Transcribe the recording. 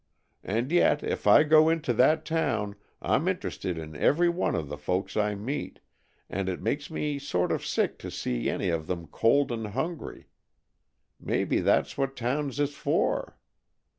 And yet, if I go into that town, I'm interested in every one of the folks I meet, and it makes me sort of sick to see any of them cold and hungry. Maybe that's what towns is for.